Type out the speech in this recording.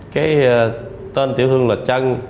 cái tên tiểu thương là trăng